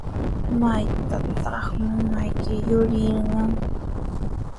¿Maytrawtaq mamayki yurirqan?